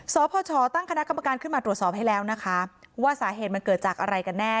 สพชตั้งคณะกรรมการขึ้นมาตรวจสอบให้แล้วนะคะว่าสาเหตุมันเกิดจากอะไรกันแน่